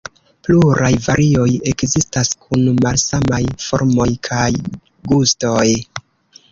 Pluraj varioj ekzistas kun malsamaj formoj kaj gustoj.